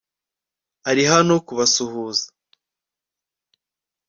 ari hano kubasuhuza